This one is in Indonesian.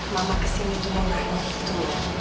mama kesini tuh nongaknya itu